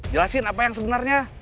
jelasin apa yang sebenarnya